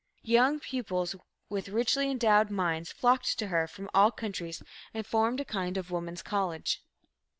Young pupils with richly endowed minds flocked to her from all countries and formed a kind of Woman's College.